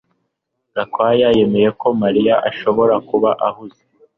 Gakwaya yamenye ko Mariya ashobora kuba ahuze